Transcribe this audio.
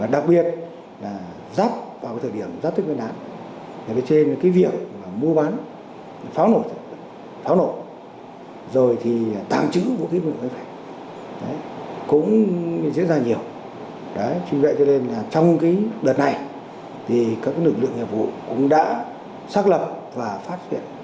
đặc biệt là giáp vào thời điểm giáp thết nguyên đáng vì thế việc mua bán pháo nổ